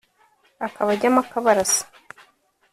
akabajyamo akabarasa